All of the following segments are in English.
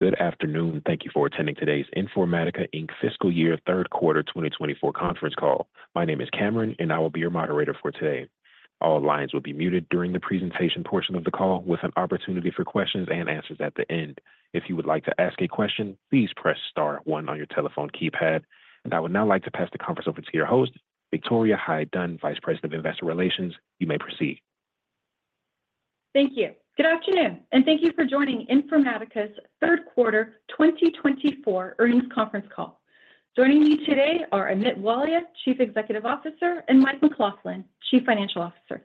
Good afternoon, thank you for attending today's Informatica Inc. Fiscal Year Third Quarter 2024 conference call. My name is Cameron, and I will be your moderator for today. All lines will be muted during the presentation portion of the call, with an opportunity for questions and answers at the end. If you would like to ask a question, please press star one on your telephone keypad. And I would now like to pass the conference over to your host, Victoria Hyde-Dunn, Vice President of Investor Relations. You may proceed. Thank you. Good afternoon, and thank you for joining Informatica's Third Quarter 2024 earnings conference call. Joining me today are Amit Walia, Chief Executive Officer, and Mike McLaughlin, Chief Financial Officer.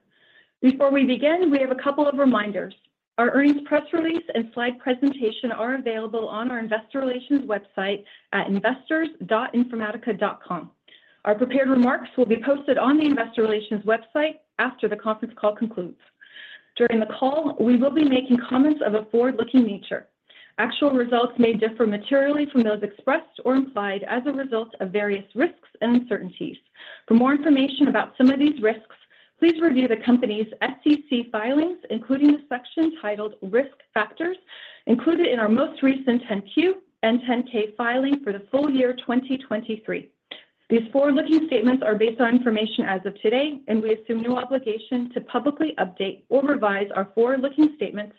Before we begin, we have a couple of reminders. Our earnings press release and slide presentation are available on our Investor Relations website at investors.informatica.com. Our prepared remarks will be posted on the Investor Relations website after the conference call concludes. During the call, we will be making comments of a forward-looking nature. Actual results may differ materially from those expressed or implied as a result of various risks and uncertainties. For more information about some of these risks, please review the company's SEC filings, including the section titled Risk Factors, included in our most recent 10Q and 10K filing for the full year 2023. These forward-looking statements are based on information as of today, and we assume no obligation to publicly update or revise our forward-looking statements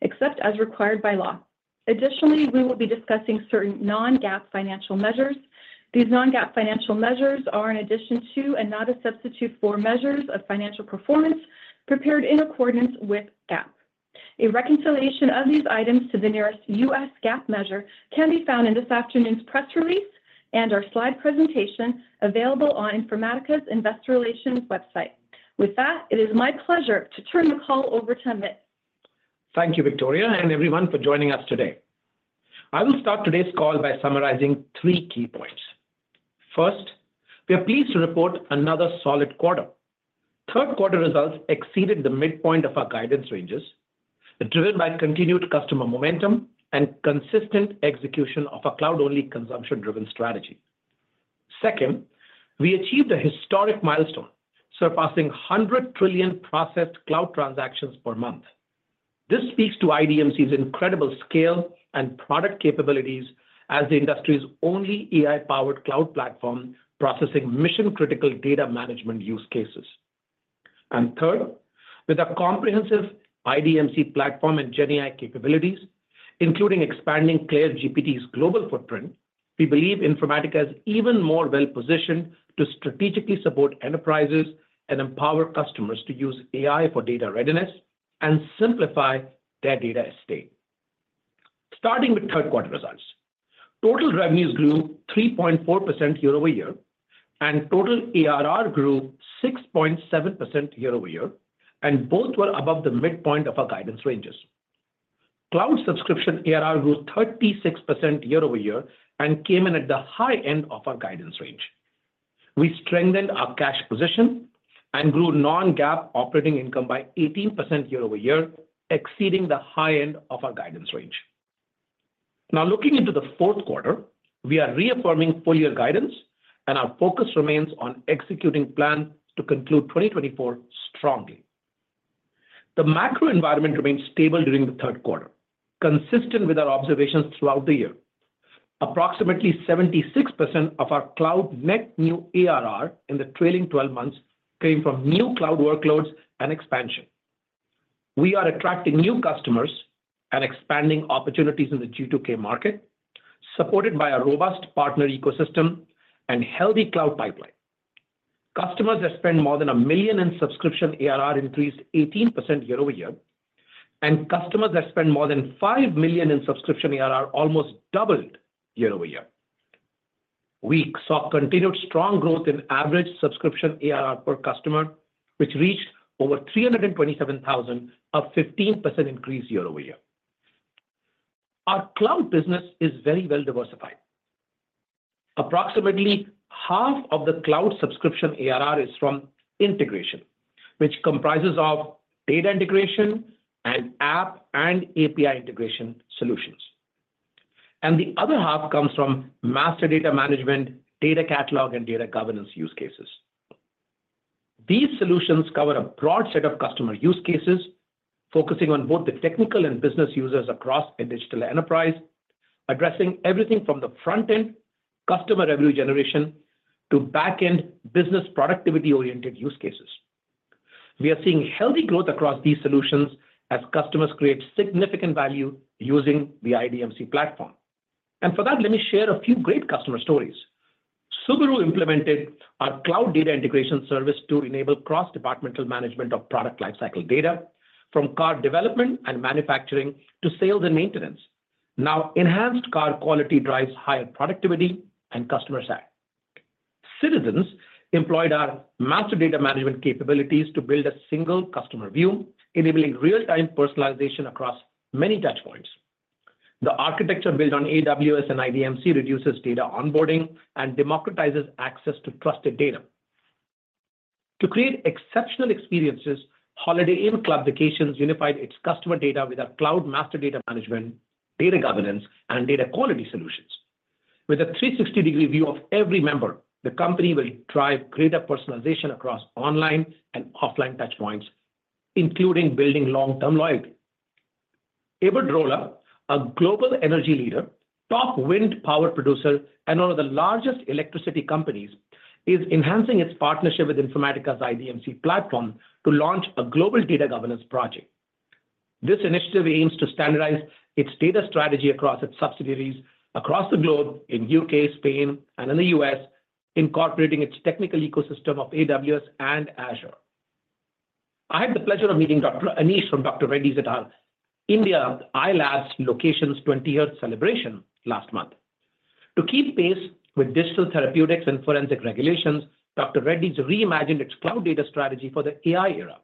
except as required by law. Additionally, we will be discussing certain non-GAAP financial measures. These non-GAAP financial measures are in addition to and not a substitute for measures of financial performance prepared in accordance with GAAP. A reconciliation of these items to the nearest U.S. GAAP measure can be found in this afternoon's press release and our slide presentation available on Informatica's Investor Relations website. With that, it is my pleasure to turn the call over to Amit. Thank you, Victoria and everyone, for joining us today. I will start today's call by summarizing three key points. First, we are pleased to report another solid quarter. Third quarter results exceeded the midpoint of our guidance ranges, driven by continued customer momentum and consistent execution of a cloud-only consumption-driven strategy. Second, we achieved a historic milestone, surpassing 100 trillion processed cloud transactions per month. This speaks to IDMC's incredible scale and product capabilities as the industry's only AI-powered cloud platform processing mission-critical data management use cases, and third, with a comprehensive IDMC platform and GenAI capabilities, including expanding CLAIRE GPT's global footprint, we believe Informatica is even more well-positioned to strategically support enterprises and empower customers to use AI for data readiness and simplify their data estate. Starting with third quarter results, total revenues grew 3.4% year over year, and total ARR grew 6.7% year over year, and both were above the midpoint of our guidance ranges. Cloud subscription ARR grew 36% year over year and came in at the high end of our guidance range. We strengthened our cash position and grew non-GAAP operating income by 18% year over year, exceeding the high end of our guidance range. Now, looking into the fourth quarter, we are reaffirming full year guidance, and our focus remains on executing plan to conclude 2024 strongly. The macro environment remained stable during the third quarter, consistent with our observations throughout the year. Approximately 76% of our cloud net new ARR in the trailing 12 months came from new cloud workloads and expansion. We are attracting new customers and expanding opportunities in the G2K market, supported by a robust partner ecosystem and healthy cloud pipeline. Customers that spend more than $1 million in subscription ARR increased 18% year over year, and customers that spend more than $5 million in subscription ARR almost doubled year over year. We saw continued strong growth in average subscription ARR per customer, which reached over $327,000, a 15% increase year over year. Our cloud business is very well diversified. Approximately half of the cloud subscription ARR is from integration, which comprises data integration and app and API integration solutions, master data management, data catalog, and data governance use cases. These solutions cover a broad set of customer use cases, focusing on both the technical and business users across a digital enterprise, addressing everything from the front-end customer revenue generation to back-end business productivity-oriented use cases. We are seeing healthy growth across these solutions as customers create significant value using the IDMC platform. For that, let me share a few great customer stories. Subaru implemented our Cloud Data Integration service to enable cross-departmental management of product lifecycle data, from car development and manufacturing to sales and maintenance. Now, enhanced car quality drives higher productivity and customer satisfaction. Citizens has employed our master data management capabilities to build a single customer view, enabling real-time personalization across many touchpoints. The architecture built on AWS and IDMC reduces data onboarding and democratizes access to trusted data. To create exceptional experiences, Holiday master data management, data governance, and data quality solutions. with a 360-degree view of every member, the company will drive greater personalization across online and offline touchpoints, including building long-term loyalty. Iberdrola, a global energy leader, top wind power producer, and one of the largest electricity companies, is enhancing its partnership with Informatica's IDMC platform to launch data governance project. this initiative aims to standardize its data strategy across its subsidiaries across the globe in the U.K., Spain, and in the U.S., incorporating its technical ecosystem of AWS and Azure. I had the pleasure of meeting Dr. Anish from Dr. Reddy's at our India iLabs locations 20th celebration last month. To keep pace with digital therapeutics and forensic regulations, Dr. Reddy's reimagined its cloud data strategy for the AI era.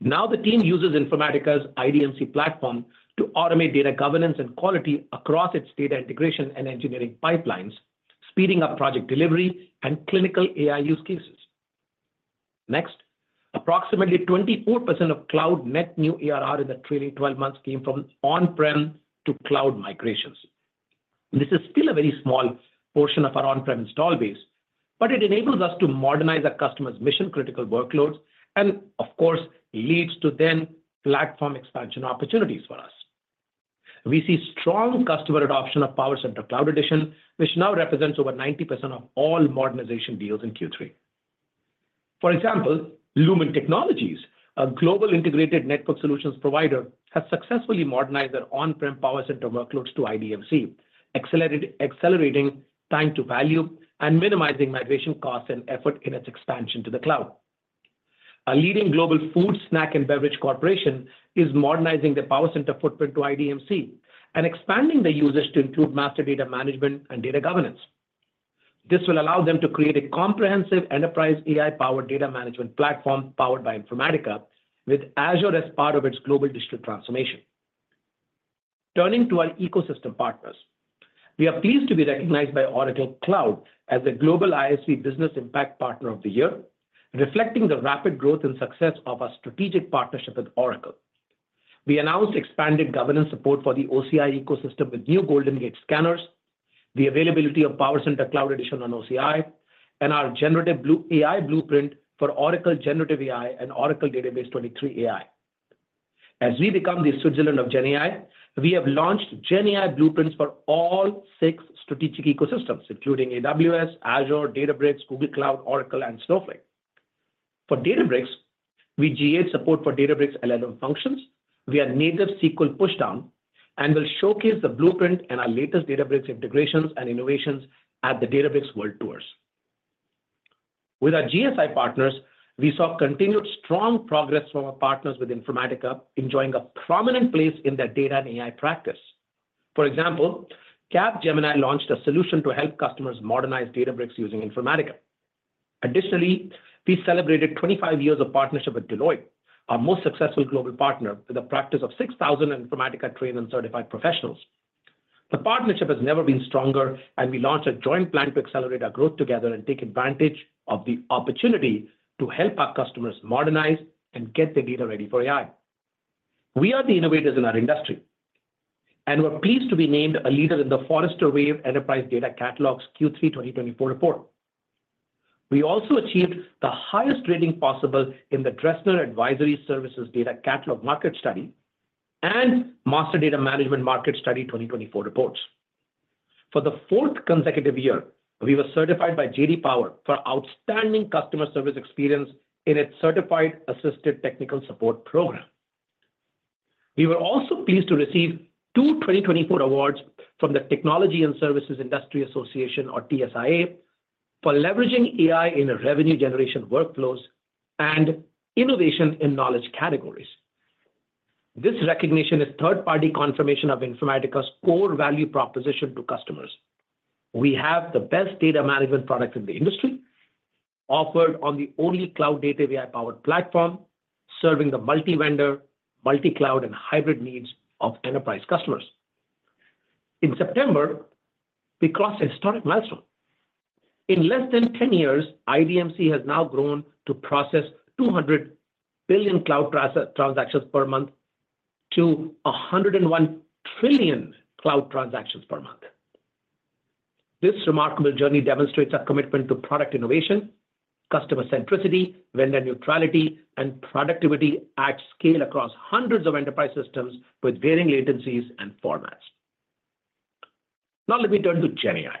Now, the team uses Informatica's IDMC platform data governance and quality across its data integration and engineering pipelines, speeding up project delivery and clinical AI use cases. Next, approximately 24% of cloud net new ARR in the trailing 12 months came from on-prem to cloud migrations. This is still a very small portion of our on-prem install base, but it enables us to modernize our customers' mission-critical workloads and, of course, leads to then platform expansion opportunities for us. We see strong customer adoption of PowerCenter Cloud Edition, which now represents over 90% of all modernization deals in Q3. For example, Lumen Technologies, a global integrated network solutions provider, has successfully modernized their on-prem PowerCenter workloads to IDMC, accelerating time to value and minimizing migration costs and effort in its expansion to the cloud. A leading global food snack and beverage corporation is modernizing their PowerCenter footprint to master data management and data governance. this will allow them to create a comprehensive enterprise AI-powered data management platform powered by Informatica, with Azure as part of its global digital transformation. Turning to our ecosystem partners, we are pleased to be recognized by Oracle Cloud as the Global ISV Business Impact Partner of the Year, reflecting the rapid growth and success of our strategic partnership with Oracle. We announced expanded governance support for the OCI ecosystem with new GoldenGate scanners, the availability of PowerCenter Cloud Edition on OCI, and our generative AI blueprint for Oracle Generative AI and Oracle Database 23ai. As we become the Switzerland of GenAI, we have launched GenAI blueprints for all six strategic ecosystems, including AWS, Azure, Databricks, Google Cloud, Oracle, and Snowflake. For Databricks, we GA'd support for Databricks LLM functions. We are native SQL pushdown and will showcase the blueprint and our latest Databricks integrations and innovations at the Databricks World Tours. With our GSI partners, we saw continued strong progress from our partners with Informatica enjoying a prominent place in their data and AI practice. For example, Capgemini launched a solution to help customers modernize Databricks using Informatica. Additionally, we celebrated 25 years of partnership with Deloitte, our most successful global partner, with a practice of 6,000 Informatica-trained and certified professionals. The partnership has never been stronger, and we launched a joint plan to accelerate our growth together and take advantage of the opportunity to help our customers modernize and get their data ready for AI. We are the innovators in our industry, and we're pleased to be named a leader in the Forrester Wave Enterprise Data Catalog's Q3 2024 report. We also achieved the highest rating possible in the Dresner Advisory Services in the Catalog market study and Master Data Management market study 2024 reports. For the fourth consecutive year, we were certified by J.D. Power for outstanding customer service experience in its Certified Assisted Technical Support Program. We were also pleased to receive two 2024 awards from the Technology and Services Industry Association, or TSIA, for leveraging AI in revenue generation workflows and innovation in knowledge categories. This recognition is third-party confirmation of Informatica's core value proposition to customers. We have the best data management product in the industry, offered on the only cloud-native AI-powered platform, serving the multi-vendor, multi-cloud, and hybrid needs of enterprise customers. In September, we crossed a historic milestone. In less than 10 years, IDMC has now grown to process 200 billion cloud transactions per month to 101 trillion cloud transactions per month. This remarkable journey demonstrates our commitment to product innovation, customer centricity, vendor neutrality, and productivity at scale across hundreds of enterprise systems with varying latencies and formats. Now, let me turn to GenAI.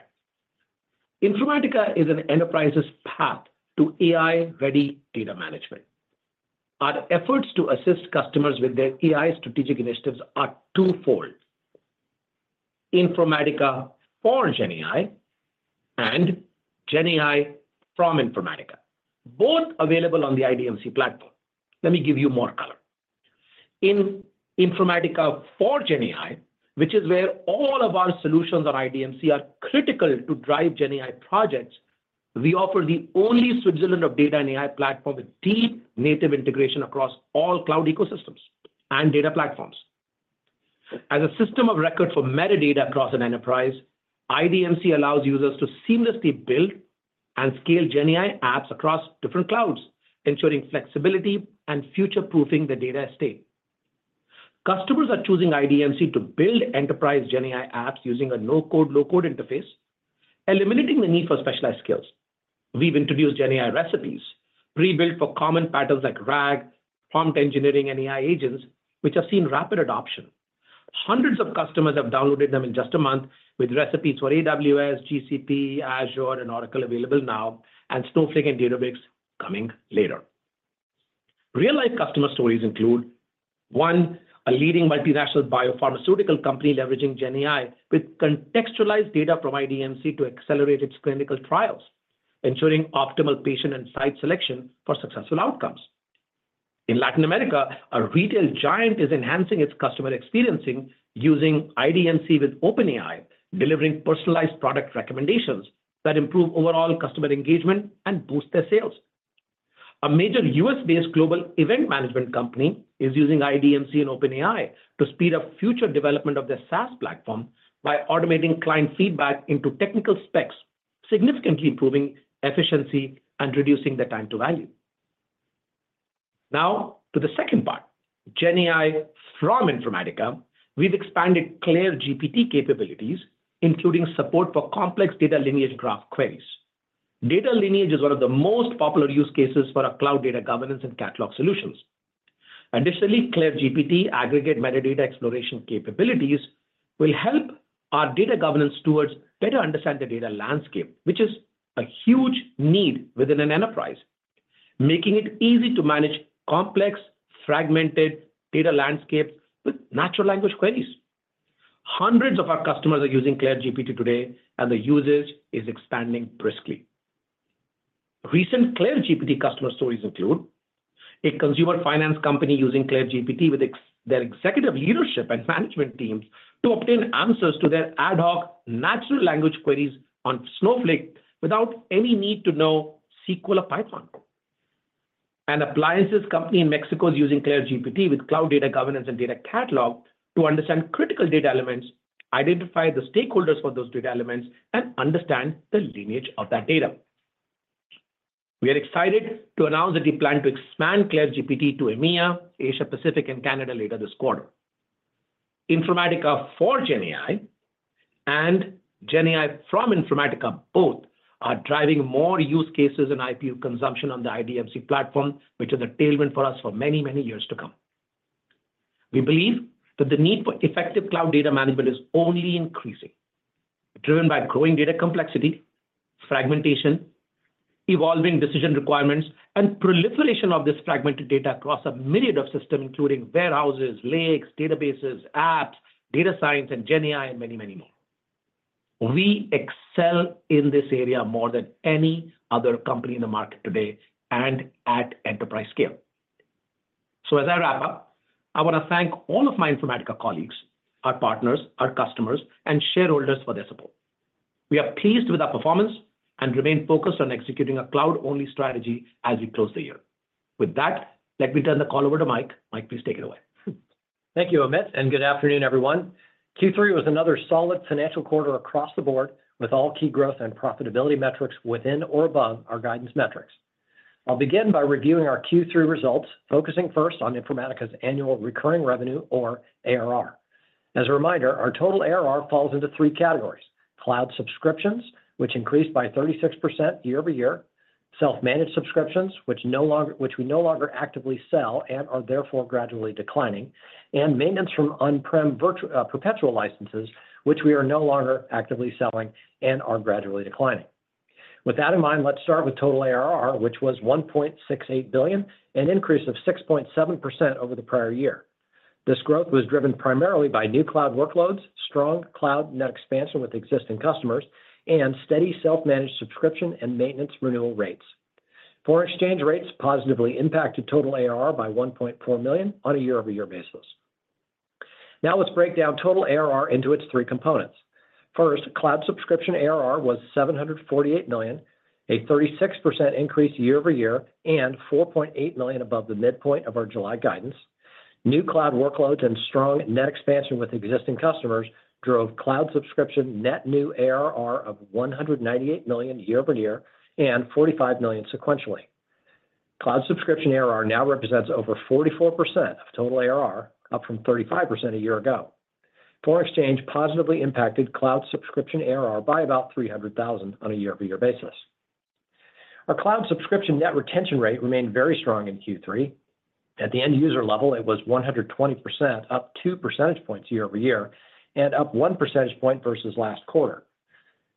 Informatica is an enterprise's path to AI-ready data management. Our efforts to assist customers with their AI strategic initiatives are twofold: Informatica for GenAI and GenAI from Informatica, both available on the IDMC platform. Let me give you more color. In Informatica for GenAI, which is where all of our solutions on IDMC are critical to drive GenAI projects, we offer the only Switzerland of data and AI platform with deep native integration across all cloud ecosystems and data platforms. As a system of record for metadata across an enterprise, IDMC allows users to seamlessly build and scale GenAI apps across different clouds, ensuring flexibility and future-proofing the data estate. Customers are choosing IDMC to build enterprise GenAI apps using a no-code, low-code interface, eliminating the need for specialized skills. We've introduced GenAI recipes pre-built for common patterns like RAG, prompt engineering, and AI agents, which have seen rapid adoption. Hundreds of customers have downloaded them in just a month, with recipes for AWS, GCP, Azure, and Oracle available now, and Snowflake and Databricks coming later. Real-life customer stories include one, a leading multinational biopharmaceutical company leveraging GenAI with contextualized data from IDMC to accelerate its clinical trials, ensuring optimal patient and site selection for successful outcomes. In Latin America, a retail giant is enhancing its customer experience using IDMC with OpenAI, delivering personalized product recommendations that improve overall customer engagement and boost their sales. A major U.S.-based global event management company is using IDMC and OpenAI to speed up future development of their SaaS platform by automating client feedback into technical specs, significantly improving efficiency and reducing the time to value. Now, to the second part, GenAI from Informatica, we've expanded CLAIRE GPT capabilities, including support for complex data lineage graph queries. Data lineage is one of the most popular use cases for data governance and catalog solutions. Additionally, CLAIRE GPT aggregate metadata exploration capabilities will data governance stewards better understand the data landscape, which is a huge need within an enterprise, making it easy to manage complex, fragmented data landscapes with natural language queries. Hundreds of our customers are using CLAIRE GPT today, and the usage is expanding briskly. Recent CLAIRE GPT customer stories include a consumer finance company using CLAIRE GPT with their executive leadership and management teams to obtain answers to their ad hoc natural language queries on Snowflake without any need to know SQL or Python. An appliance company in Mexico is using CLAIRE GPT data governance and data catalog to understand critical data elements, identify the stakeholders for those data elements, and understand the lineage of that data. We are excited to announce that we plan to expand CLAIRE GPT to EMEA, Asia Pacific, and Canada later this quarter. Informatica for GenAI and GenAI from Informatica both are driving more use cases and IPU consumption on the IDMC platform, which is a tailwind for us for many, many years to come. We believe that the need for effective cloud data management is only increasing, driven by growing data complexity, fragmentation, evolving decision requirements, and proliferation of this fragmented data across a myriad of systems, including warehouses, lakes, databases, apps, data science, and GenAI, and many, many more. We excel in this area more than any other company in the market today and at enterprise scale. So, as I wrap up, I want to thank all of my Informatica colleagues, our partners, our customers, and shareholders for their support. We are pleased with our performance and remain focused on executing a cloud-only strategy as we close the year. With that, let me turn the call over to Mike. Mike, please take it away. Thank you, Amit, and good afternoon, everyone. Q3 was another solid financial quarter across the board with all key growth and profitability metrics within or above our guidance metrics. I'll begin by reviewing our Q3 results, focusing first on Informatica's annual recurring revenue, or ARR. As a reminder, our total ARR falls into three categories: cloud subscriptions, which increased by 36% year over year, self-managed subscriptions, which we no longer actively sell and are therefore gradually declining, and maintenance from on-prem perpetual licenses, which we are no longer actively selling and are gradually declining. With that in mind, let's start with total ARR, which was $1.68 billion, an increase of 6.7% over the prior year. This growth was driven primarily by new cloud workloads, strong cloud net expansion with existing customers, and steady self-managed subscription and maintenance renewal rates. Foreign exchange rates positively impacted total ARR by $1.4 million on a year-over-year basis. Now, let's break down total ARR into its three components. First, cloud subscription ARR was $748 million, a 36% increase year over year, and $4.8 million above the midpoint of our July guidance. New cloud workloads and strong net expansion with existing customers drove cloud subscription net new ARR of $198 million year over year and $45 million sequentially. Cloud subscription ARR now represents over 44% of total ARR, up from 35% a year ago. Foreign exchange positively impacted cloud subscription ARR by about $300,000 on a year-over-year basis. Our cloud subscription net retention rate remained very strong in Q3. At the end user level, it was 120%, up 2 percentage points year over year, and up 1 percentage point versus last quarter.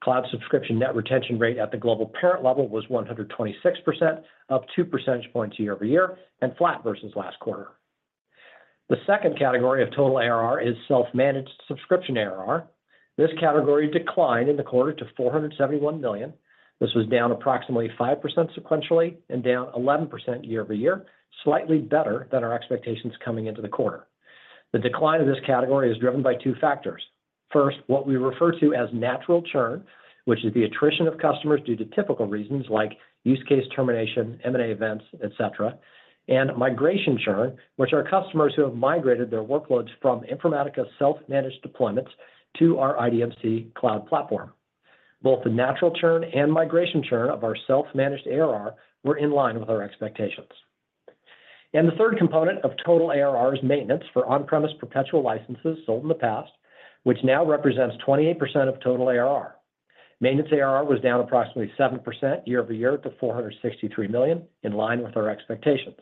Cloud subscription net retention rate at the global parent level was 126%, up 2 percentage points year over year, and flat versus last quarter. The second category of total ARR is self-managed subscription ARR. This category declined in the quarter to $471 million. This was down approximately 5% sequentially and down 11% year over year, slightly better than our expectations coming into the quarter. The decline of this category is driven by two factors. First, what we refer to as natural churn, which is the attrition of customers due to typical reasons like use case termination, M&A events, etc., and migration churn, which are customers who have migrated their workloads from Informatica's self-managed deployments to our IDMC cloud platform. Both the natural churn and migration churn of our self-managed ARR were in line with our expectations. The third component of total ARR is maintenance for on-premise perpetual licenses sold in the past, which now represents 28% of total ARR. Maintenance ARR was down approximately 7% year over year to $463 million, in line with our expectations.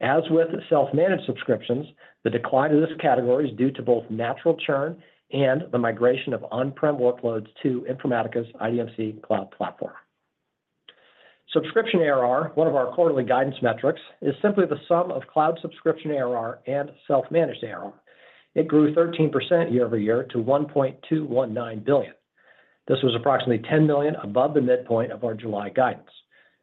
As with self-managed subscriptions, the decline of this category is due to both natural churn and the migration of on-prem workloads to Informatica's IDMC cloud platform. Subscription ARR, one of our quarterly guidance metrics, is simply the sum of cloud subscription ARR and self-managed ARR. It grew 13% year over year to $1.219 billion. This was approximately $10 million above the midpoint of our July guidance.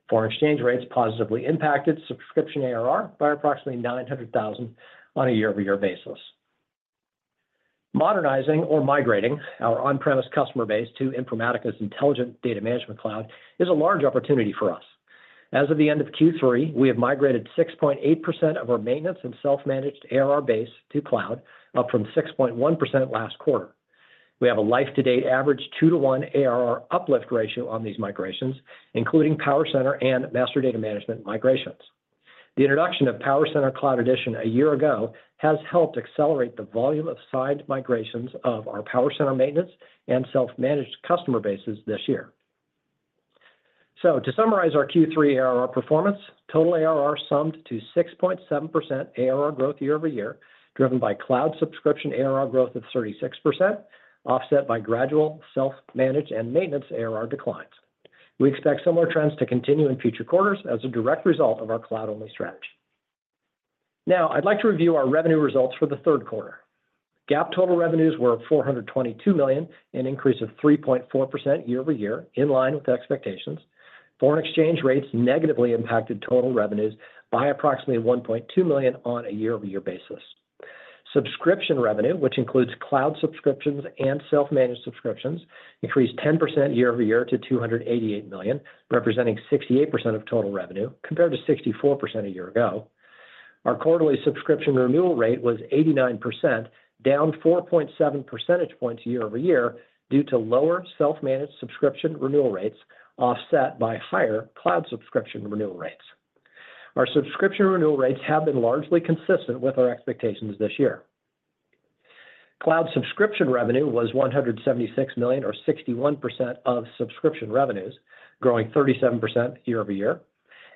Foreign exchange rates positively impacted subscription ARR by approximately $900,000 on a year-over-year basis. Modernizing or migrating our on-premise customer base to Informatica's Intelligent Data Management Cloud is a large opportunity for us. As of the end of Q3, we have migrated 6.8% of our maintenance and self-managed ARR base to cloud, up from 6.1% last quarter. We have a life-to-date average 2:1 ARR uplift ratio on these Master Data Management migrations. the introduction of PowerCenter Cloud Edition a year ago has helped accelerate the volume of side migrations of our PowerCenter maintenance and self-managed customer bases this year. So, to summarize our Q3 ARR performance, total ARR summed to 6.7% ARR growth year over year, driven by cloud subscription ARR growth of 36%, offset by gradual self-managed and maintenance ARR declines. We expect similar trends to continue in future quarters as a direct result of our cloud-only strategy. Now, I'd like to review our revenue results for the third quarter. GAAP total revenues were $422 million, an increase of 3.4% year over year, in line with expectations. Foreign exchange rates negatively impacted total revenues by approximately $1.2 million on a year-over-year basis. Subscription revenue, which includes cloud subscriptions and self-managed subscriptions, increased 10% year over year to $288 million, representing 68% of total revenue, compared to 64% a year ago. Our quarterly subscription renewal rate was 89%, down 4.7 percentage points year over year due to lower self-managed subscription renewal rates, offset by higher cloud subscription renewal rates. Our subscription renewal rates have been largely consistent with our expectations this year. Cloud subscription revenue was $176 million, or 61% of subscription revenues, growing 37% year over year.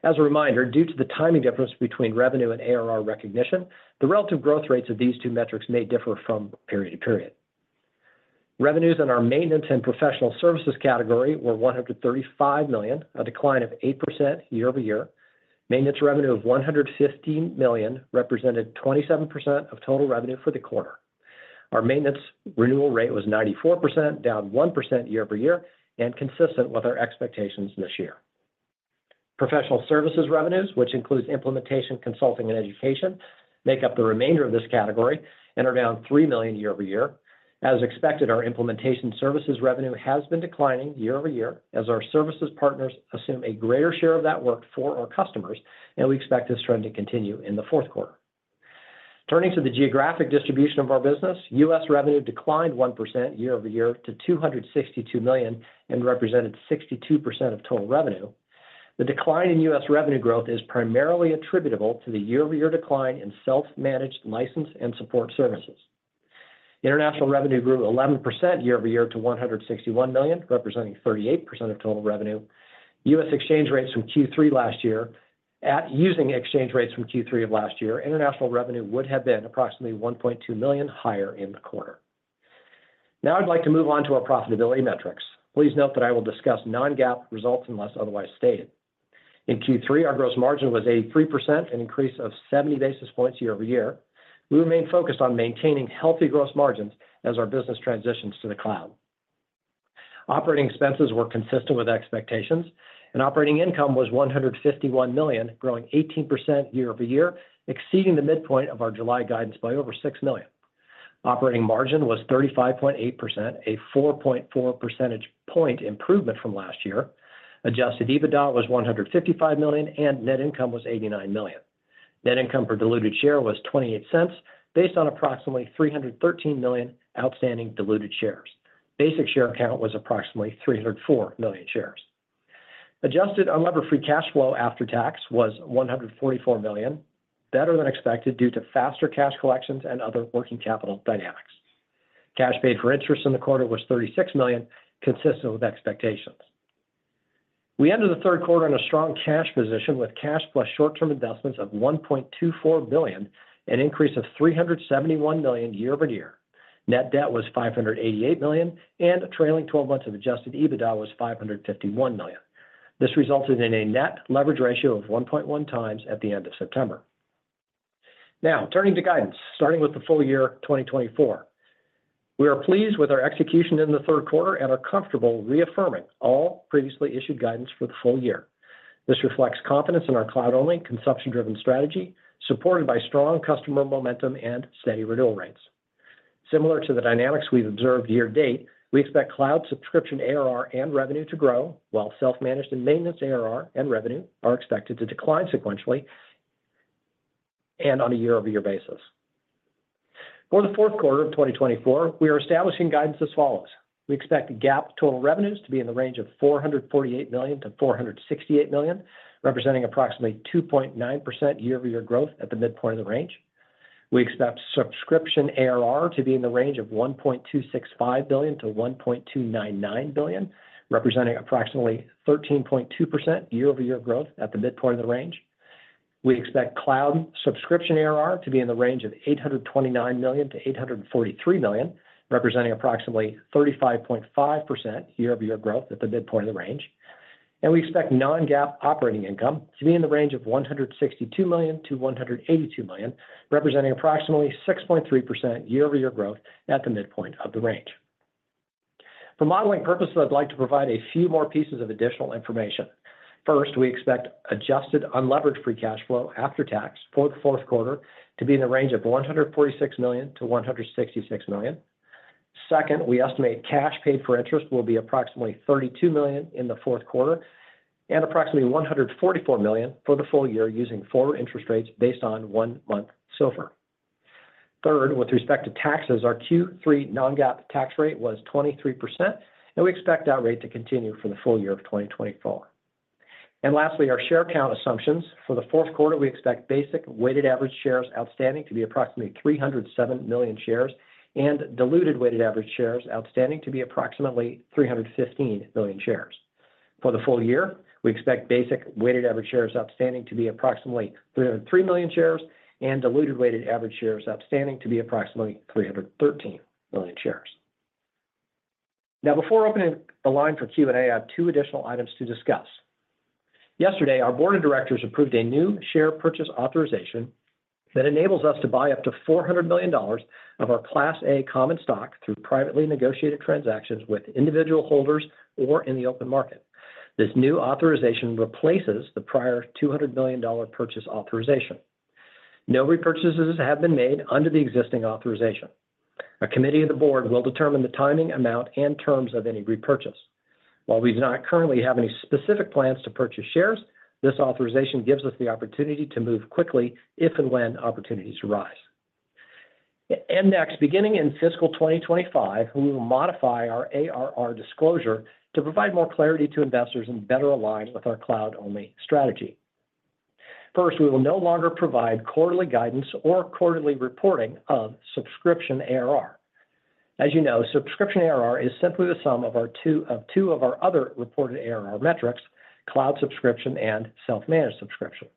As a reminder, due to the timing difference between revenue and ARR recognition, the relative growth rates of these two metrics may differ from period to period. Revenues in our maintenance and professional services category were $135 million, a decline of 8% year over year. Maintenance revenue of $115 million represented 27% of total revenue for the quarter. Our maintenance renewal rate was 94%, down 1% year over year, and consistent with our expectations this year. Professional services revenues, which includes implementation, consulting, and education, make up the remainder of this category and are down $3 million year over year. As expected, our implementation services revenue has been declining year over year as our services partners assume a greater share of that work for our customers, and we expect this trend to continue in the fourth quarter. Turning to the geographic distribution of our business, US revenue declined 1% year over year to $262 million and represented 62% of total revenue. The decline in U.S. revenue growth is primarily attributable to the year-over-year decline in self-managed license and support services. International revenue grew 11% year over year to $161 million, representing 38% of total revenue. Using exchange rates from Q3 last year, international revenue would have been approximately $1.2 million higher in the quarter. Now, I'd like to move on to our profitability metrics. Please note that I will discuss non-GAAP results unless otherwise stated. In Q3, our gross margin was 83%, an increase of 70 basis points year over year. We remain focused on maintaining healthy gross margins as our business transitions to the cloud. Operating expenses were consistent with expectations, and operating income was $151 million, growing 18% year over year, exceeding the midpoint of our July guidance by over $6 million. Operating margin was 35.8%, a 4.4 percentage point improvement from last year. Adjusted EBITDA was $155 million, and net income was $89 million. Net income per diluted share was $0.28, based on approximately 313 million outstanding diluted shares. Basic share count was approximately 304 million shares. Adjusted unlevered free cash flow after tax was $144 million, better than expected due to faster cash collections and other working capital dynamics. Cash paid for interest in the quarter was $36 million, consistent with expectations. We ended the third quarter in a strong cash position with cash plus short-term investments of $1.24 billion, an increase of $371 million year over year. Net debt was $588 million, and trailing 12 months of adjusted EBITDA was $551 million. This resulted in a net leverage ratio of 1.1 times at the end of September. Now, turning to guidance, starting with the full year 2024. We are pleased with our execution in the third quarter and are comfortable reaffirming all previously issued guidance for the full year. This reflects confidence in our cloud-only consumption-driven strategy, supported by strong customer momentum and steady renewal rates. Similar to the dynamics we've observed year to date, we expect cloud subscription ARR and revenue to grow, while self-managed and maintenance ARR and revenue are expected to decline sequentially and on a year-over-year basis. For the fourth quarter of 2024, we are establishing guidance as follows. We expect GAAP total revenues to be in the range of $448 million-$468 million, representing approximately 2.9% year-over-year growth at the midpoint of the range. We expect subscription ARR to be in the range of $1.265 billion-$1.299 billion, representing approximately 13.2% year-over-year growth at the midpoint of the range. We expect cloud subscription ARR to be in the range of $829 million-$843 million, representing approximately 35.5% year-over-year growth at the midpoint of the range. We expect non-GAAP operating income to be in the range of $162 million-$182 million, representing approximately 6.3% year-over-year growth at the midpoint of the range. For modeling purposes, I would like to provide a few more pieces of additional information. First, we expect adjusted unlevered free cash flow after tax for the fourth quarter to be in the range of $146 million-$166 million. Second, we estimate cash paid for interest will be approximately $32 million in the fourth quarter and approximately $144 million for the full year using forward interest rates based on one-month SOFR. Third, with respect to taxes, our Q3 non-GAAP tax rate was 23%, and we expect that rate to continue for the full year of 2024, and lastly, our share count assumptions for the fourth quarter, we expect basic weighted average shares outstanding to be approximately 307 million shares and diluted weighted average shares outstanding to be approximately 315 million shares. For the full year, we expect basic weighted average shares outstanding to be approximately 303 million shares and diluted weighted average shares outstanding to be approximately 313 million shares. Now, before opening the line for Q&A, I have two additional items to discuss. Yesterday, our board of directors approved a new share purchase authorization that enables us to buy up to $400 million of our Class A common stock through privately negotiated transactions with individual holders or in the open market. This new authorization replaces the prior $200 million purchase authorization. No repurchases have been made under the existing authorization. A committee of the board will determine the timing, amount, and terms of any repurchase. While we do not currently have any specific plans to purchase shares, this authorization gives us the opportunity to move quickly if and when opportunities arise, and next, beginning in fiscal 2025, we will modify our ARR disclosure to provide more clarity to investors and better align with our cloud-only strategy. First, we will no longer provide quarterly guidance or quarterly reporting of subscription ARR. As you know, subscription ARR is simply the sum of two of our other reported ARR metrics, cloud subscription and self-managed subscription.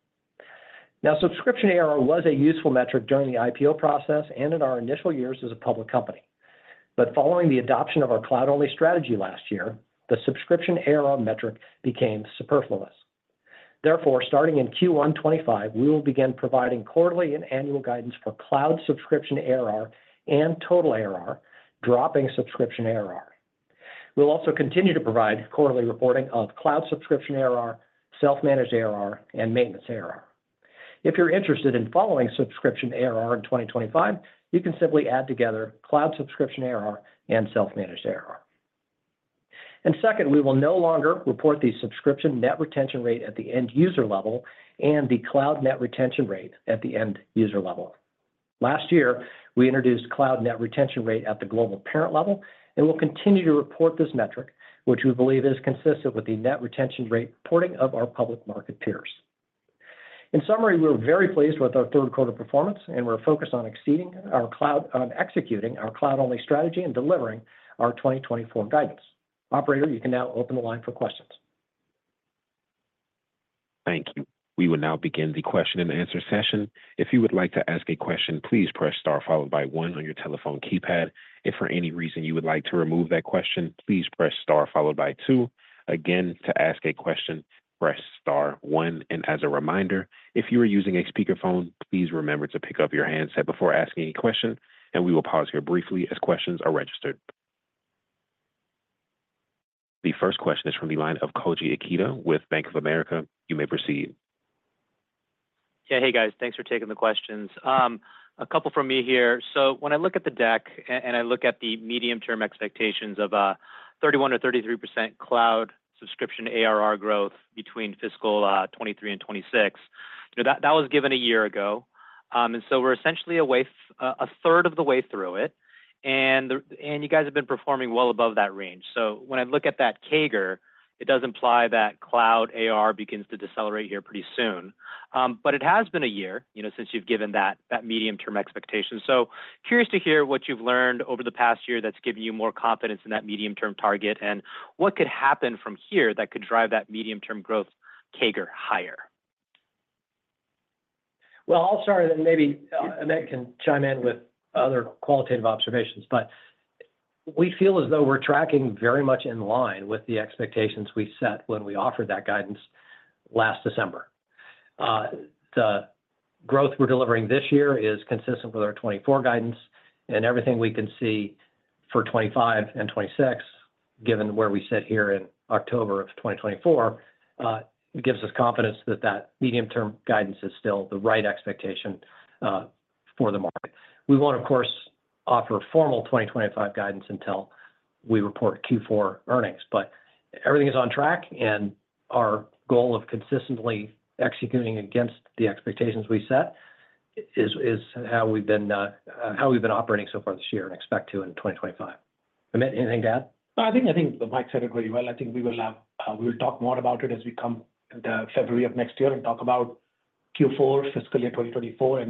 Now, subscription ARR was a useful metric during the IPO process and in our initial years as a public company. But following the adoption of our cloud-only strategy last year, the subscription ARR metric became superfluous. Therefore, starting in Q1 2025, we will begin providing quarterly and annual guidance for cloud subscription ARR and total ARR, dropping subscription ARR. We'll also continue to provide quarterly reporting of cloud subscription ARR, self-managed ARR, and maintenance ARR. If you're interested in following subscription ARR in 2025, you can simply add together cloud subscription ARR and self-managed ARR. And second, we will no longer report the subscription net retention rate at the end user level and the cloud net retention rate at the end user level. Last year, we introduced cloud net retention rate at the global parent level, and we'll continue to report this metric, which we believe is consistent with the net retention rate reporting of our public market peers. In summary, we're very pleased with our third quarter performance, and we're focused on exceeding our cloud on executing our cloud-only strategy and delivering our 2024 guidance. Operator, you can now open the line for questions. Thank you. We will now begin the question and answer session. If you would like to ask a question, please press star followed by one on your telephone keypad. If for any reason you would like to remove that question, please press star followed by two. Again, to ask a question, press star one. And as a reminder, if you are using a speakerphone, please remember to pick up your handset before asking a question, and we will pause here briefly as questions are registered. The first question is from the line of Koji Ikeda with Bank of America. You may proceed. Yeah, hey guys, thanks for taking the questions. A couple from me here. So when I look at the deck and I look at the medium-term expectations of a 31% or 33% cloud subscription ARR growth between fiscal 2023 and 2026, that was given a year ago. And so we're essentially a third of the way through it, and you guys have been performing well above that range. So when I look at that CAGR, it does imply that cloud ARR begins to decelerate here pretty soon. But it has been a year since you've given that medium-term expectation. So curious to hear what you've learned over the past year that's given you more confidence in that medium-term target and what could happen from here that could drive that medium-term growth CAGR higher. Well, I'll start, and then maybe Amit can chime in with other qualitative observations. But we feel as though we're tracking very much in line with the expectations we set when we offered that guidance last December. The growth we're delivering this year is consistent with our 2024 guidance, and everything we can see for 2025 and 2026, given where we sit here in October of 2024, gives us confidence that that medium-term guidance is still the right expectation for the market. We won't, of course, offer formal 2025 guidance until we report Q4 earnings, but everything is on track, and our goal of consistently executing against the expectations we set is how we've been operating so far this year and expect to in 2025. Amit, anything to add? I think Mike said it really well. I think we will talk more about it as we come into February of next year and talk about Q4 fiscal year 2024,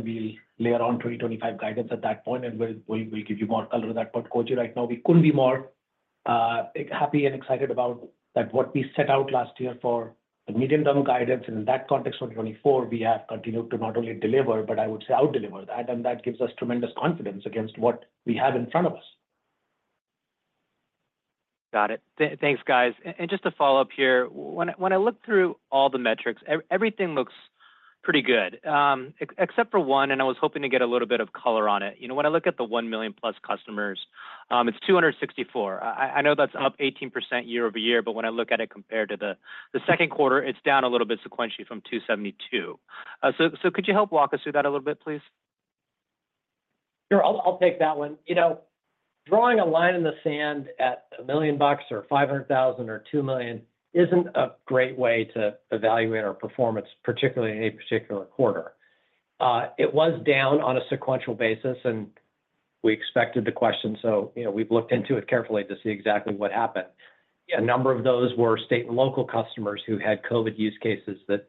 and we'll layer on 2025 guidance at that point, and we'll give you more color on that. But Koji, right now, we couldn't be more happy and excited about what we set out last year for the medium-term guidance. And in that context, 2024, we have continued to not only deliver, but I would say outdeliver that, and that gives us tremendous confidence against what we have in front of us. Got it. Thanks, guys. And just to follow up here, when I look through all the metrics, everything looks pretty good, except for one, and I was hoping to get a little bit of color on it. When I look at the 1 million plus customers, it's 264. I know that's up 18% year over year, but when I look at it compared to the second quarter, it's down a little bit sequentially from 272. So could you help walk us through that a little bit, please? Sure. I'll take that one. Drawing a line in the sand at $1 million or $500,000 or $2 million isn't a great way to evaluate our performance, particularly in a particular quarter. It was down on a sequential basis, and we expected the question, so we've looked into it carefully to see exactly what happened. A number of those were state and local customers who had COVID use cases that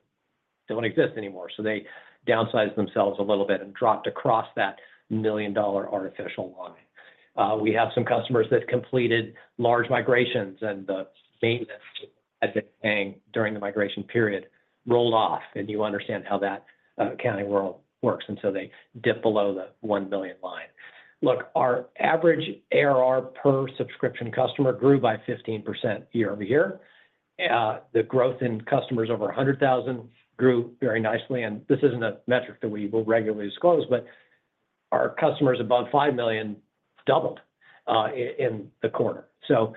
don't exist anymore. So they downsized themselves a little bit and dropped across that $1 million artificial line. We have some customers that completed large migrations, and the maintenance had been paying during the migration period rolled off, and you understand how that accounting world works, and so they dip below the $1 million line. Look, our average ARR per subscription customer grew by 15% year over year. The growth in customers over $100,000 grew very nicely, and this isn't a metric that we will regularly disclose, but our customers above $5 million doubled in the quarter. So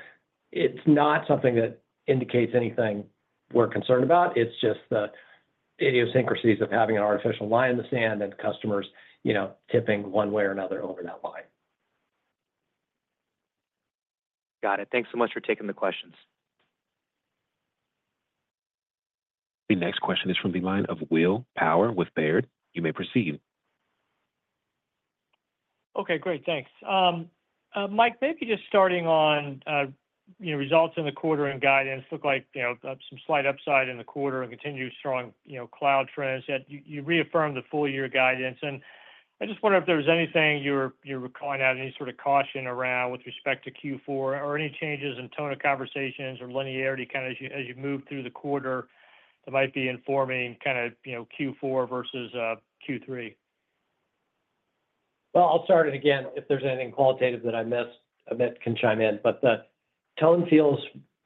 it's not something that indicates anything we're concerned about. It's just the idiosyncrasies of having an artificial line in the sand and customers tipping one way or another over that line. Got it. Thanks so much for taking the questions. The next question is from the line of Will Power with Baird. You may proceed. Okay, great. Thanks. Mike, maybe just starting on results in the quarter and guidance. Looks like some slight upside in the quarter and continued strong cloud trends. You reaffirmed the full year guidance, and I just wonder if there was anything you're calling out, any sort of caution around with respect to Q4 or any changes in tone of conversations or linearity kind of as you move through the quarter that might be informing kind of Q4 versus Q3? Well, I'll start it again. If there's anything qualitative that I missed, Amit can chime in, but the tone feels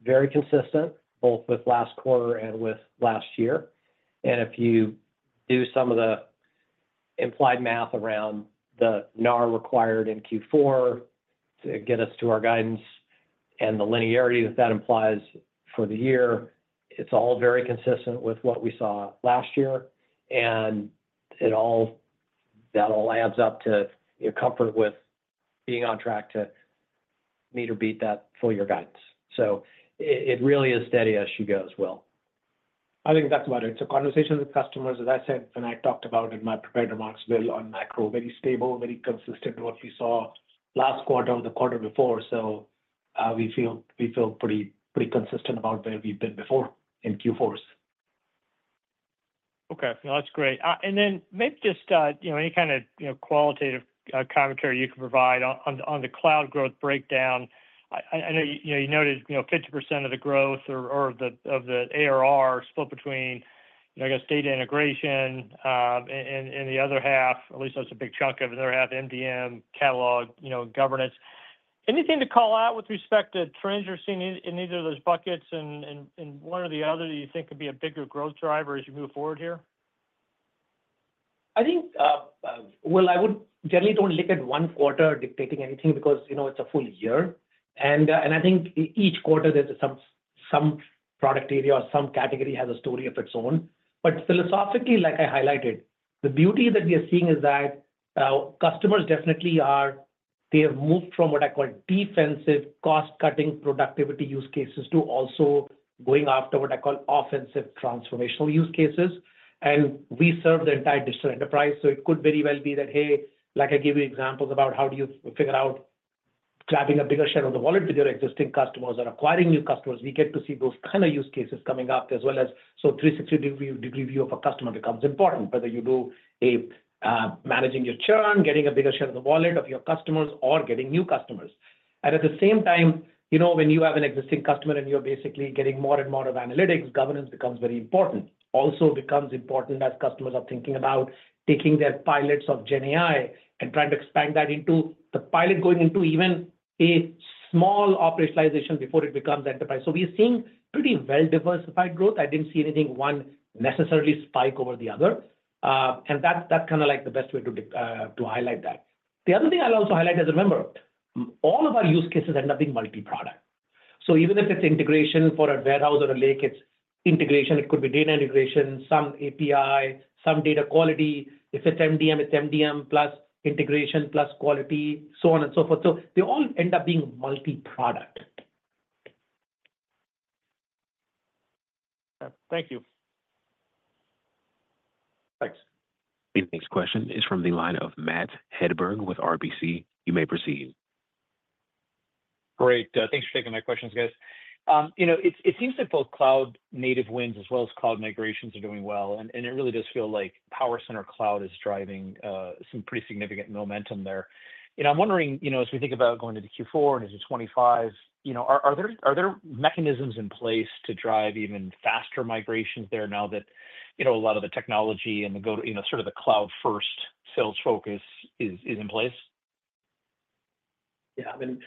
very consistent, both with last quarter and with last year. And if you do some of the implied math around the Net ARR required in Q4 to get us to our guidance and the linearity that that implies for the year, it's all very consistent with what we saw last year, and that all adds up to comfort with being on track to meet or beat that full year guidance. So it really is steady as she goes, Will. I think that's about it. So conversations with customers, as I said, and I talked about in my prepared remarks, Will on macro, very stable, very consistent with what we saw last quarter and the quarter before. So we feel pretty consistent about where we've been before in Q4s. Okay. No, that's great. And then maybe just any kind of qualitative commentary you can provide on the cloud growth breakdown. I know you noted 50% of the growth or of the ARR split between, I guess, data integration and the other half, at least that's a big chunk of it, and the other half, MDM, catalog, governance. Anything to call out with respect to trends you're seeing in either of those buckets and one or the other that you think could be a bigger growth driver as you move forward here? I think, Will, I would generally don't look at one quarter dictating anything because it's a full year. And I think each quarter, there's some product area or some category has a story of its own. But philosophically, like I highlighted, the beauty that we are seeing is that customers definitely are—they have moved from what I call defensive cost-cutting productivity use cases to also going after what I call offensive transformational use cases. And we serve the entire digital enterprise. So it could very well be that, hey, like I gave you examples about how do you figure out grabbing a bigger share of the wallet with your existing customers or acquiring new customers. We get to see those kind of use cases coming up as well as, so 360-degree view of a customer becomes important, whether you do a managing your churn, getting a bigger share of the wallet of your customers, or getting new customers. And at the same time, when you have an existing customer and you're basically getting more and more of analytics, governance becomes very important. Also becomes important as customers are thinking about taking their pilots of GenAI and trying to expand that into the pilot going into even a small operationalization before it becomes enterprise. So we are seeing pretty well-diversified growth. I didn't see anything one necessarily spike over the other, and that's kind of like the best way to highlight that. The other thing I'll also highlight is, remember, all of our use cases end up being multi-product, so even if it's integration for a warehouse or a lake, it's integration. It could be data integration, some data quality. if it's MDM, it's MDM plus integration plus quality, so on and so forth, so they all end up being multi-product. Thank you. Thanks. The next question is from the line of Matt Hedberg with RBC. You may proceed. Great. Thanks for taking my questions, guys. It seems like both cloud-native wins as well as cloud migrations are doing well, and it really does feel like PowerCenter Cloud is driving some pretty significant momentum there. I'm wondering, as we think about going into Q4 and into 2025, are there mechanisms in place to drive even faster migrations there now that a lot of the technology and sort of the cloud-first sales focus is in place? Yeah. I mean,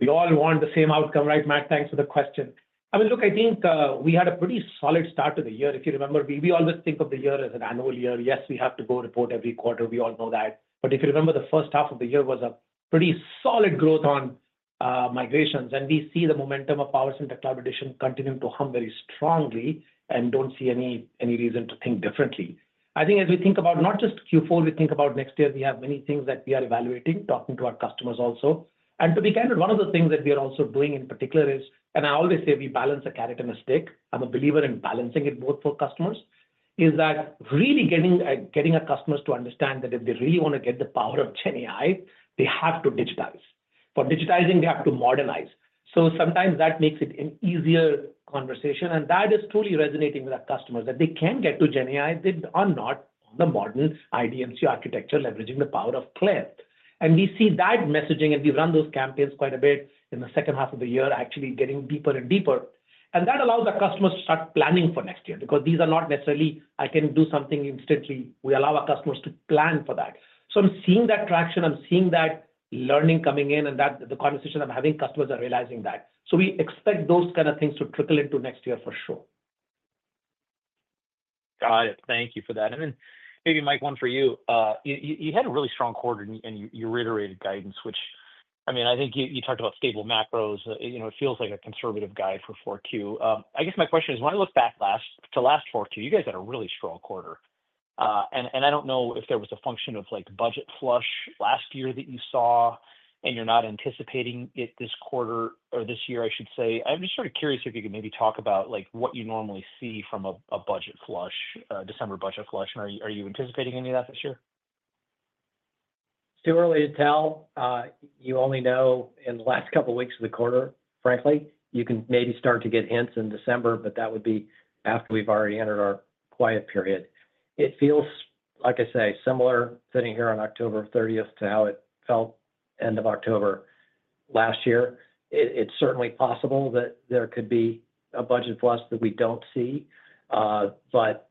we all want the same outcome, right, Matt? Thanks for the question. I mean, look, I think we had a pretty solid start to the year. If you remember, we always think of the year as an annual year. Yes, we have to go report every quarter. We all know that. But if you remember, the first half of the year was a pretty solid growth on migrations. And we see the momentum of PowerCenter Cloud Edition continue to hum very strongly and don't see any reason to think differently. I think as we think about not just Q4, we think about next year, we have many things that we are evaluating, talking to our customers also. And to be candid, one of the things that we are also doing in particular is, and I always say we balance a carrot and a stick. I'm a believer in balancing it both for customers, is that really getting our customers to understand that if they really want to get the power of GenAI, they have to digitize. For digitizing, they have to modernize. So sometimes that makes it an easier conversation. And that is truly resonating with our customers that they can get to GenAI, they are not on the modern IDMC architecture leveraging the power of CLAIRE. And we see that messaging, and we've run those campaigns quite a bit in the second half of the year, actually getting deeper and deeper. And that allows our customers to start planning for next year because these are not necessarily, "I can do something instantly." We allow our customers to plan for that. So I'm seeing that traction. I'm seeing that learning coming in, and the conversation I'm having, customers are realizing that. So we expect those kind of things to trickle into next year for sure. Got it. Thank you for that. And then maybe, Mike, one for you. You had a really strong quarter, and you reiterated guidance, which I mean, I think you talked about stable macros. It feels like a conservative guide for 4Q. I guess my question is, when I look back to last 4Q, you guys had a really strong quarter. I don't know if there was a function of budget flush last year that you saw, and you're not anticipating it this quarter or this year, I should say. I'm just sort of curious if you could maybe talk about what you normally see from a budget flush, December budget flush, and are you anticipating any of that this year? Too early to tell. You only know in the last couple of weeks of the quarter, frankly. You can maybe start to get hints in December, but that would be after we've already entered our quiet period. It feels, like I say, similar sitting here on October 30th to how it felt end of October last year. It's certainly possible that there could be a budget flush that we don't see. But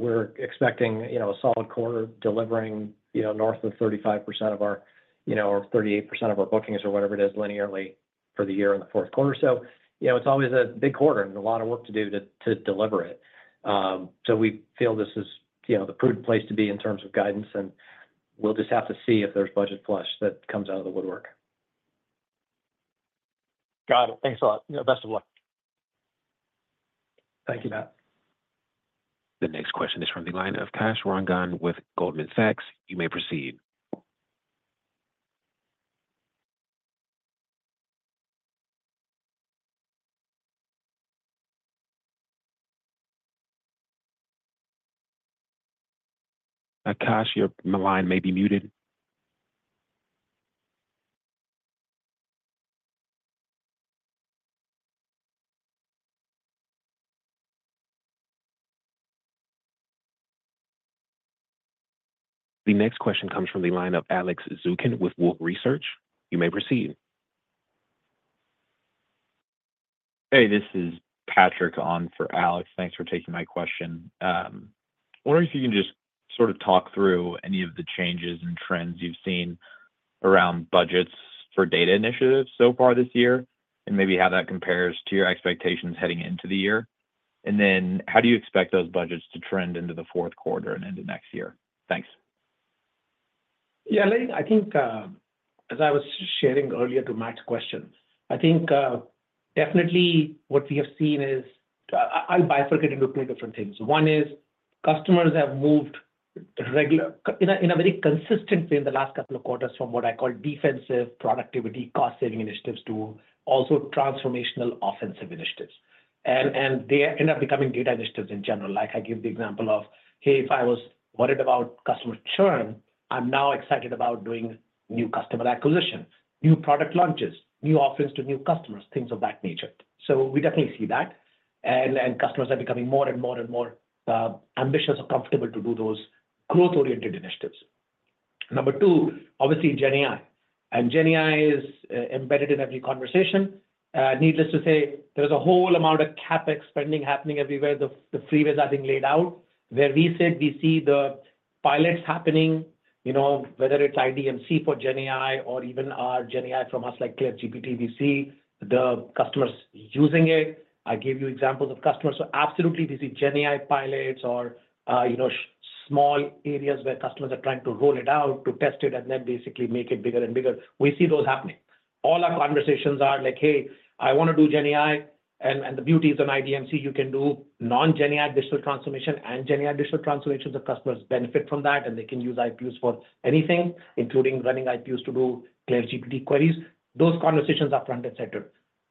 we're expecting a solid quarter delivering north of 35% of our or 38% of our bookings or whatever it is linearly for the year in the fourth quarter. So it's always a big quarter and a lot of work to do to deliver it. So we feel this is the prudent place to be in terms of guidance, and we'll just have to see if there's budget flush that comes out of the woodwork. Got it. Thanks a lot. Best of luck. Thank you, Matt. The next question is from the line of Kash Rangan with Goldman Sachs. You may proceed. Kash, your line may be muted. The next question comes from the line of Alex Zukin with Wolfe Research. You may proceed. Hey, this is Patrick on for Alex. Thanks for taking my question. I wonder if you can just sort of talk through any of the changes and trends you've seen around budgets for data initiatives so far this year and maybe how that compares to your expectations heading into the year, and then how do you expect those budgets to trend into the fourth quarter and into next year? Thanks. Yeah, I think, as I was sharing earlier to Matt's question, I think definitely what we have seen is I'll bifurcate into two different things. One is customers have moved in a very consistent way in the last couple of quarters from what I call defensive productivity, cost-saving initiatives to also transformational offensive initiatives, and they end up becoming data initiatives in general. Like I gave the example of, "Hey, if I was worried about customer churn, I'm now excited about doing new customer acquisition, new product launches, new offerings to new customers," things of that nature. So we definitely see that. And customers are becoming more and more and more ambitious or comfortable to do those growth-oriented initiatives. Number two, obviously, GenAI. And GenAI is embedded in every conversation. Needless to say, there is a whole amount of CapEx spending happening everywhere. The freeways are being laid out where we said we see the pilots happening, whether it's IDMC for GenAI or even our GenAI from us like CLAIRE GPT. We see the customers using it. I gave you examples of customers. So absolutely, we see GenAI pilots or small areas where customers are trying to roll it out, to test it, and then basically make it bigger and bigger. We see those happening. All our conversations are like, "Hey, I want to do GenAI." And the beauty is in IDMC. You can do non-GenAI digital transformation and GenAI digital transformation. The customers benefit from that, and they can use IPUs for anything, including running IPUs to do CLAIRE GPT queries. Those conversations are front and center.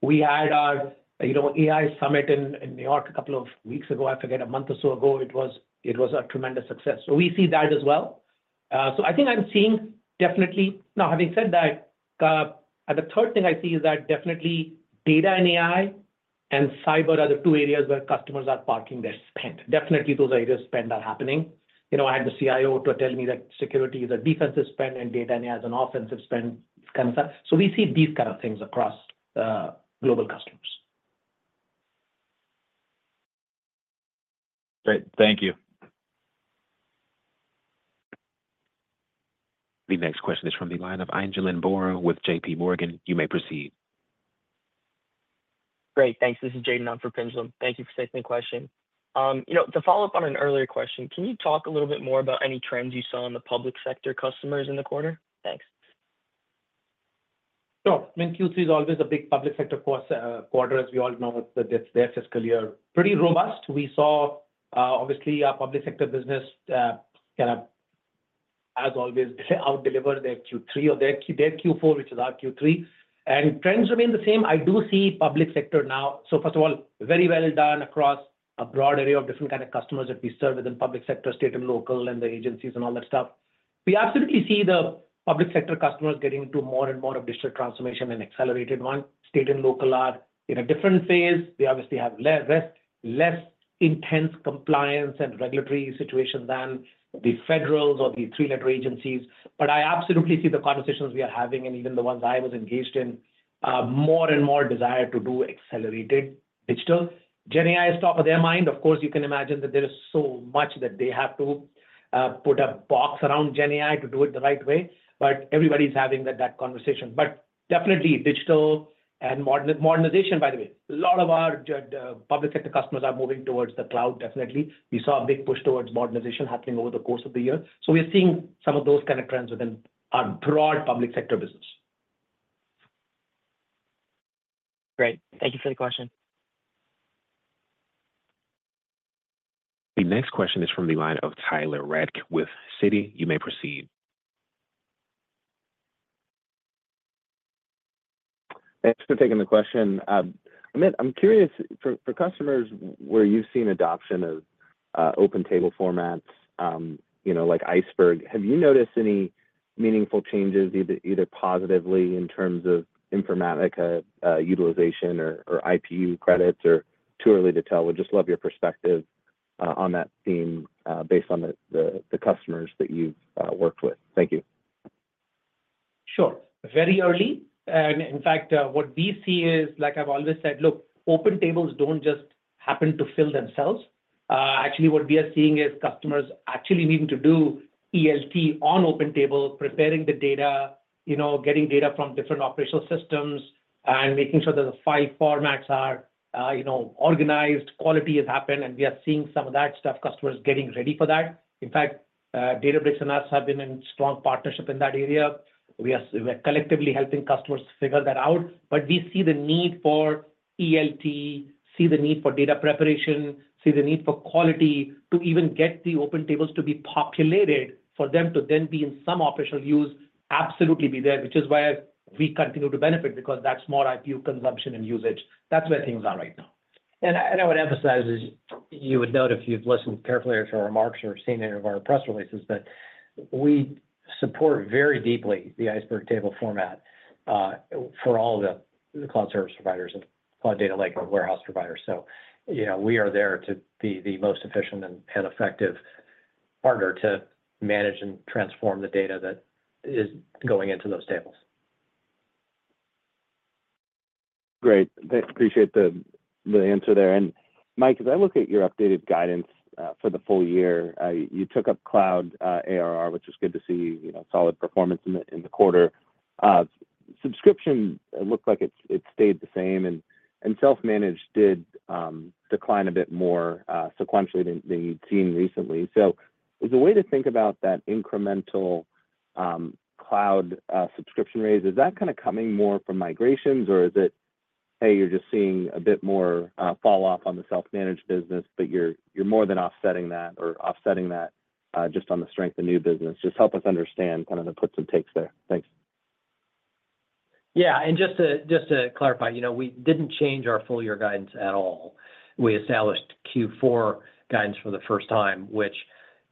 We had our AI Summit in New York a couple of weeks ago. I forget, a month or so ago. It was a tremendous success. So we see that as well. So I think I'm seeing definitely. Now, having said that, the third thing I see is that definitely data and AI and cyber are the two areas where customers are parking their spend. Definitely, those areas of spend are happening. I had the CIO tell me that security is a defensive spend and data and AI is an offensive spend kind of stuff. So we see these kind of things across global customers. Great. Thank you. The next question is from the line of Pinjalim Bora with J.P. Morgan. You may proceed. Great. Thanks. This is Jaewon from J.P. Morgan. Thank you for taking the question. To follow up on an earlier question, can you talk a little bit more about any trends you saw in the public sector customers in the quarter? Thanks. Sure. I mean, Q3 is always a big public sector quarter. As we all know, their fiscal year is pretty robust. We saw, obviously, our public sector business kind of, as always, outdeliver their Q3 or their Q4, which is our Q3. And trends remain the same. I do see public sector now. So first of all, very well done across a broad area of different kinds of customers that we serve within public sector, state and local, and the agencies and all that stuff. We absolutely see the public sector customers getting into more and more of digital transformation and accelerated one. State and local are in a different phase. They obviously have less intense compliance and regulatory situation than the federals or the three-letter agencies. But I absolutely see the conversations we are having and even the ones I was engaged in, more and more desire to do accelerated digital. GenAI is top of their mind. Of course, you can imagine that there is so much that they have to put a box around GenAI to do it the right way. But everybody's having that conversation. But definitely, digital and modernization, by the way, a lot of our public sector customers are moving towards the cloud, definitely. We saw a big push towards modernization happening over the course of the year. So we are seeing some of those kinds of trends within our broad public sector business. Great. Thank you for the question. The next question is from the line of Tyler Radke with Citi. You may proceed. Thanks for taking the question. I'm curious, for customers where you've seen adoption of open table formats like Iceberg, have you noticed any meaningful changes, either positively in terms of Informatica utilization or IPU credits or too early to tell? Would just love your perspective on that theme based on the customers that you've worked with. Thank you. Sure. Very early. In fact, what we see is, like I've always said, look, open tables don't just happen to fill themselves. Actually, what we are seeing is customers actually needing to do ELT on open table, preparing the data, getting data from different operational systems, and making sure that the file formats are organized, quality has happened. And we are seeing some of that stuff, customers getting ready for that. In fact, Databricks and us have been in strong partnership in that area. We are collectively helping customers figure that out. But we see the need for ELT, see the need for data preparation, see the need for quality to even get the open tables to be populated for them to then be in some official use, absolutely be there, which is why we continue to benefit because that's more IPU consumption and usage. That's where things are right now. And I would emphasize, as you would note if you've listened carefully to our remarks or seen any of our press releases, that we support very deeply the Iceberg table format for all the cloud service providers and cloud data lake and warehouse providers. So we are there to be the most efficient and effective partner to manage and transform the data that is going into those tables. Great. Appreciate the answer there. And Mike, as I look at your updated guidance for the full year, you took up cloud ARR, which is good to see solid performance in the quarter. Subscription looked like it stayed the same, and self-managed did decline a bit more sequentially than you'd seen recently. So as a way to think about that incremental cloud subscription raise, is that kind of coming more from migrations, or is it, hey, you're just seeing a bit more falloff on the self-managed business, but you're more than offsetting that or offsetting that just on the strength of new business? Just help us understand kind of the puts and takes there. Thanks. Yeah. And just to clarify, we didn't change our full year guidance at all. We established Q4 guidance for the first time, which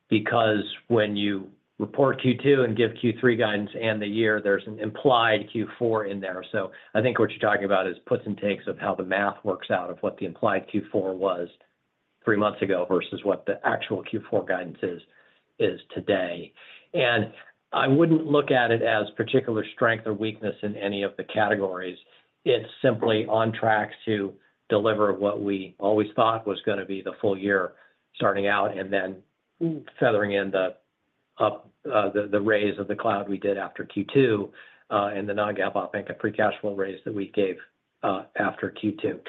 because when you report Q2 and give Q3 guidance and the year, there's an implied Q4 in there. So I think what you're talking about is puts and takes of how the math works out of what the implied Q4 was three months ago versus what the actual Q4 guidance is today. I wouldn't look at it as particular strength or weakness in any of the categories. It's simply on track to deliver what we always thought was going to be the full year starting out and then feathering in the raise in the cloud we did after Q2 and the non-GAAP free cash flow raise that we gave after Q2.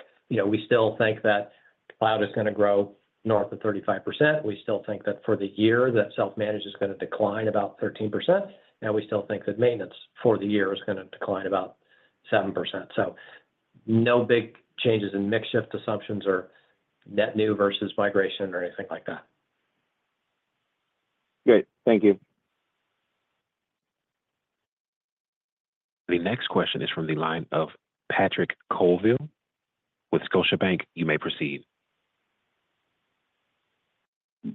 We still think that cloud is going to grow north of 35%. We still think that for the year, that self-managed is going to decline about 13%. And we still think that maintenance for the year is going to decline about 7%. So no big changes in mix shift assumptions or net new versus migration or anything like that. Great. Thank you. The next question is from the line of Patrick Colville with Scotiabank. You may proceed.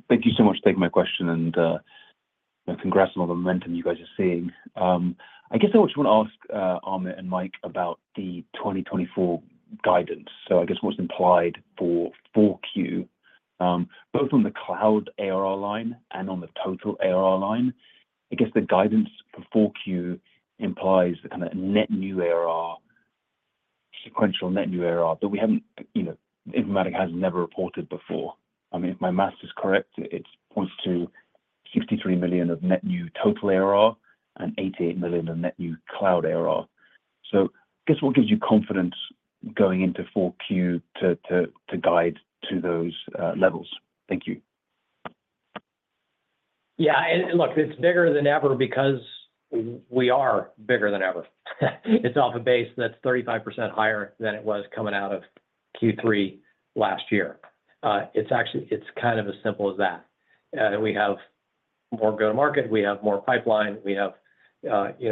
Thank you so much for taking my question and congrats on the momentum you guys are seeing. I guess I just want to ask Amit and Mike about the 2024 guidance. So I guess what's implied for 4Q, both on the cloud ARR line and on the total ARR line. I guess the guidance for 4Q implies the kind of net new ARR, sequential net new ARR that Informatica has never reported before. I mean, if my math is correct, it points to $63 million of net new total ARR and $88 million of net new cloud ARR. So I guess what gives you confidence going into 4Q to guide to those levels? Thank you. Yeah. Look, it's bigger than ever because we are bigger than ever. It's off a base that's 35% higher than it was coming out of Q3 last year. It's kind of as simple as that. We have more go-to-market. We have more pipeline. We have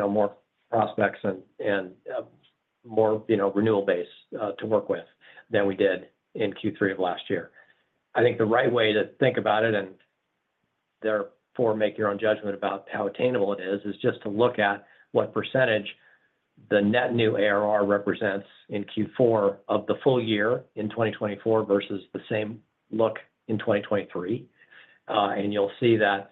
more prospects and more renewal base to work with than we did in Q3 of last year. I think the right way to think about it, and therefore make your own judgment about how attainable it is, is just to look at what percentage the net new ARR represents in Q4 of the full year in 2024 versus the same look in 2023. And you'll see that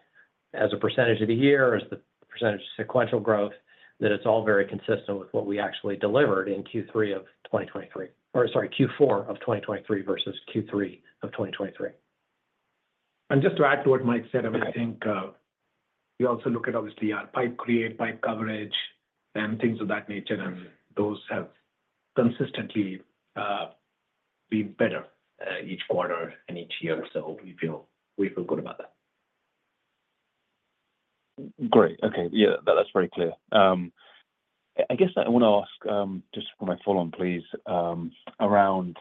as a percentage of the year, as the percentage of sequential growth, that it's all very consistent with what we actually delivered in Q3 of 2023 or sorry, Q4 of 2023 versus Q3 of 2023. And just to add to what Mike said, I mean, I think we also look at, obviously, our pipeline creation, pipeline coverage, and things of that nature. Those have consistently been better each quarter and each year. We feel good about that. Great. Okay. Yeah, that's very clear. I guess I want to ask just for my follow-up, please around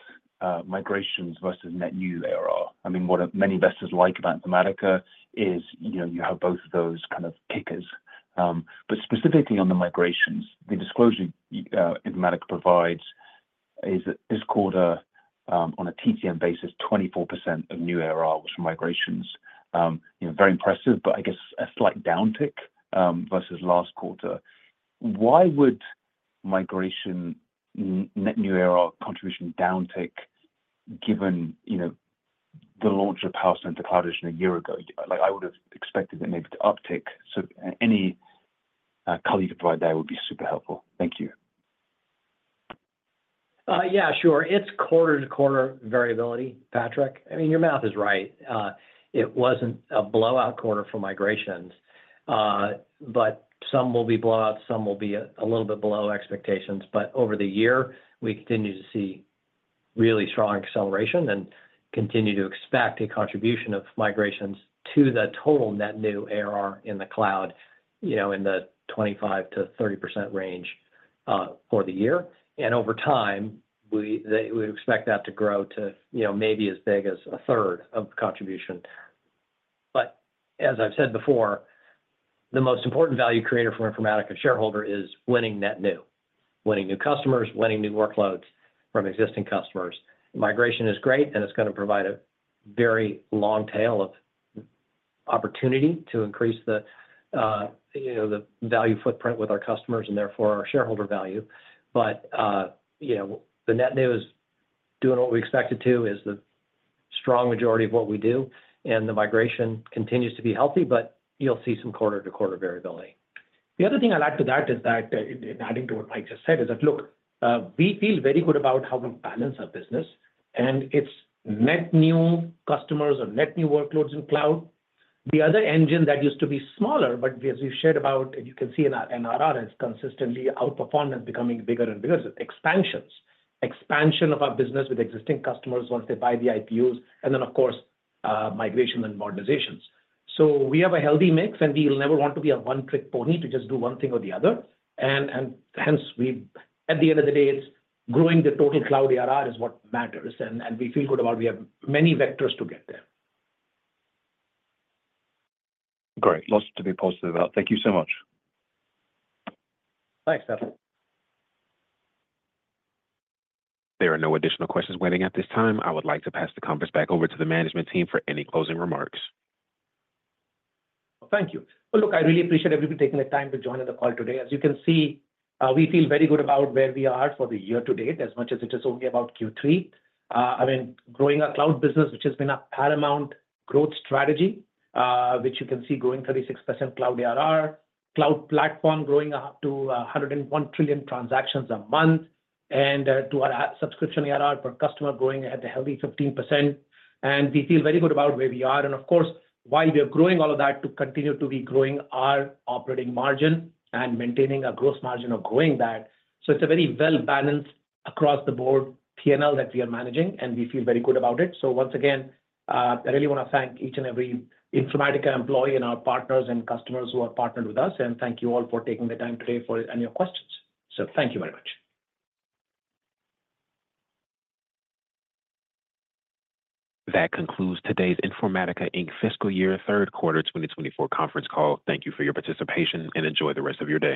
migrations versus net new ARR. I mean, what many investors like about Informatica is you have both of those kind of kickers. Specifically on the migrations, the disclosure Informatica provides is that this quarter, on a TTM basis, 24% of new ARR was from migrations. Very impressive, but I guess a slight downtick versus last quarter. Why would migration net new ARR contribution downtick given the launch of PowerCenter Cloud Edition a year ago? I would have expected it maybe to uptick. Any color you could provide there would be super helpful. Thank you. Yeah, sure. It's quarter-to-quarter variability, Patrick. I mean, your math is right. It wasn't a blowout quarter for migrations, but some will be blowout, some will be a little bit below expectations. But over the year, we continue to see really strong acceleration and continue to expect a contribution of migrations to the total net new ARR in the cloud in the 25%-30% range for the year. And over time, we expect that to grow to maybe as big as a third of contribution. But as I've said before, the most important value creator for Informatica shareholder is winning net new, winning new customers, winning new workloads from existing customers. Migration is great, and it's going to provide a very long tail of opportunity to increase the value footprint with our customers and therefore our shareholder value. But the net new is doing what we expect it to, is the strong majority of what we do. The migration continues to be healthy, but you'll see some quarter-to-quarter variability. The other thing I'd like to add is that in addition to what Mike just said, look, we feel very good about how we balance our business and its net new customers or net new workloads in cloud. The other engine that used to be smaller, but as you shared about, and you can see in our ARR, it's consistently outperformed and becoming bigger and bigger with expansions, expansion of our business with existing customers once they buy the IPUs, and then, of course, migration and modernizations. We have a healthy mix, and we'll never want to be a one-trick pony to just do one thing or the other. Hence, at the end of the day, it's growing the total cloud ARR is what matters. And we feel good about. We have many vectors to get there. Great. Lots to be positive about. Thank you so much. Thanks, Seth. There are no additional questions waiting at this time. I would like to pass the conference back over to the management team for any closing remarks. Thank you. Well, look, I really appreciate everybody taking the time to join in the call today. As you can see, we feel very good about where we are for the year to date as much as it is only about Q3. I mean, growing our cloud business, which has been a paramount growth strategy, which you can see growing 36% cloud ARR, cloud platform growing up to 101 trillion transactions a month, and to our subscription ARR per customer growing at a healthy 15%. And we feel very good about where we are. Of course, while we are growing all of that, to continue to be growing our operating margin and maintaining a gross margin of growing that. It's a very well-balanced across-the-board P&L that we are managing, and we feel very good about it. Once again, I really want to thank each and every Informatica employee and our partners and customers who have partnered with us. Thank you all for taking the time today for any of your questions. Thank you very much. That concludes today's Informatica Inc. Fiscal Year Third Quarter 2024 Conference Call. Thank you for your participation and enjoy the rest of your day.